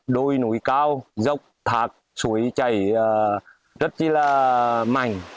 đôi núi cao dốc thạc suối chảy rất là mảnh